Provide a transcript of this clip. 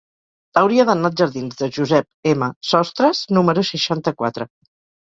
Hauria d'anar als jardins de Josep M. Sostres número seixanta-quatre.